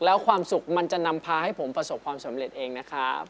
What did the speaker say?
แล้วความสุขมันจะนำพาให้ผมประสบความสำเร็จเองนะครับ